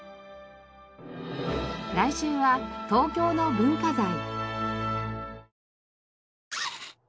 来週は東京の文化財。